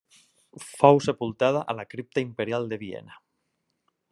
Fou sepultada a la Cripta Imperial de Viena.